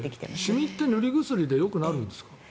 シミって塗り薬でよくなるんですか？